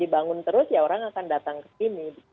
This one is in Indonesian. dibangun terus ya orang akan datang ke sini